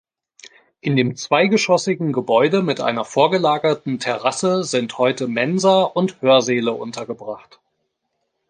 In dem zweigeschossigen Gebäude mit einer vorgelagerten Terrasse sind heute Mensa und Hörsäle untergebracht.